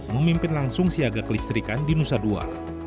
memimpin langsung siaga kelistrikan di nusa dua